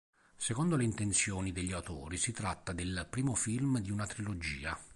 Secondo le intenzioni degli autori si tratta del primo film di una trilogia.